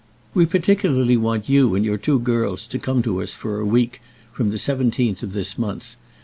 We particularly want you and your two girls to come to us for a week from the seventeenth of this month.